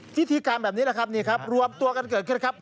ที่ทีการแบบนี้แหละครับรวมตัวกันเกิดขึ้นครับ